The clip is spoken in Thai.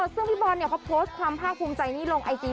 ซึ่งพี่บอลเขาโพสต์ความภาคภูมิใจนี้ลงไอจี